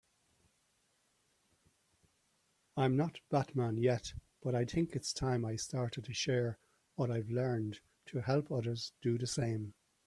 I'm not Batman yet, but I think it's time I start to share what I've learned to help others do the same.